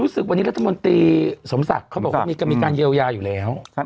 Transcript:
ศึกวันนี้รัฐมนตรีสมศักดิ์เขาบอกว่ามีการเยียวยาอยู่แล้ว